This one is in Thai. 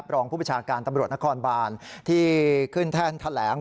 รองผู้ประชาการตำรวจนครบานที่ขึ้นแท่นแถลง